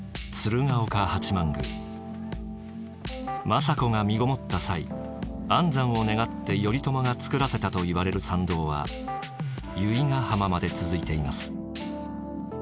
政子が身ごもった際安産を願って頼朝が作らせたといわれる参道は由比ヶ浜まで続いています。